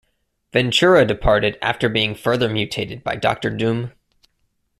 Ventura departed after being further mutated by Doctor Doom.